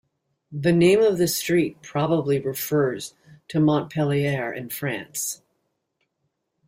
The name of the street probably refers to Montpellier in France.